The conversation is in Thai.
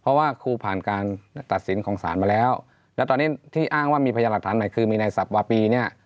เพราะว่าครูผ่านการตัดสินของศาลมาแล้วแล้วตอนนี้ที่อ้างว่ามีพยานหลักฐานใหม่คือมีในสับวาปีเนี่ย